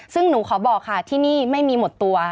ซึ่งหนูขอบอกค่ะที่นี่ไม่มีหมดตัว